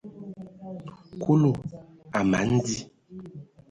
Kulu a mana di.